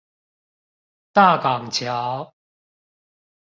大港橋